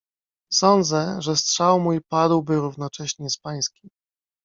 "Sądzę, że strzał mój padłby równocześnie z pańskim."